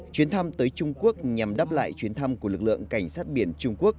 chuyến thăm tới trung quốc nhằm đáp lại chuyến thăm của lực lượng cảnh sát biển trung quốc